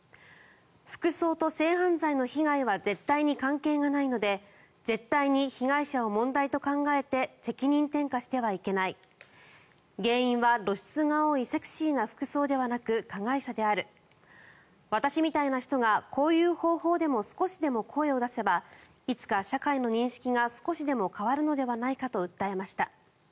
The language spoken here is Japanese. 服装と性犯罪の被害は絶対に関係がないので絶対に被害者を問題と考えて責任転嫁してはいけない原因は露出が多いセクシーな服層ではなく加害者である私みたいな人がこういう方法でも少しでも声を出せばいつか社会の認識が少しでも変わるのではないかと訴えました。